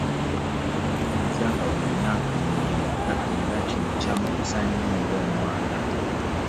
Baamuyinza nga wa myaka mwenda era kino kyamukosa nnyo ng'omwana.